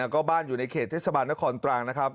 ก็บ้านอยู่ในเขตเทศบาลนครตรังนะครับ